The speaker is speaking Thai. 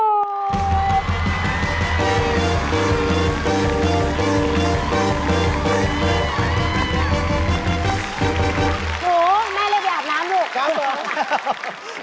หนูแม่เรียกอย่าอาบน้ำลูกพี่ป๋องค่ะห้อ